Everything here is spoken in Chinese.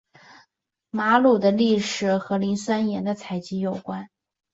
瑙鲁的历史和磷酸盐的采集有关。